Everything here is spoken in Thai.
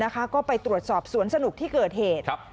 ก็ไปตรวจสอบสวนสนุกที่เกิดเหตุ